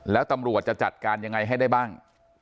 แล้วตำรวจจะจัดการยังไงให้ได้บ้าง